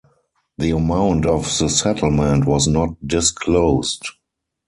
The amount of the settlement was not disclosed.